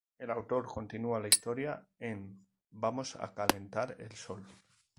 El autor continúa la historia en "Vamos a calentar el sol".